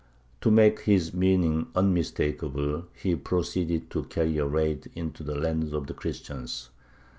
To make his meaning unmistakable, he proceeded to carry a raid into the lands of the Christians.